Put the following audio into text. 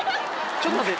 ちょっと待って。